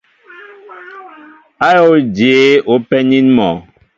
Ayól jeé wɛ penin mɔ?